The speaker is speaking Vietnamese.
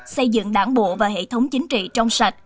xây dựng đảng bộ và hệ thống chính trị trong sạch